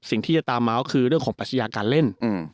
สิ่งที่จะตามมาก็คือเรื่องของปรัชญาการเล่น